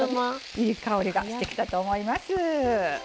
いい香りがしてきたと思います。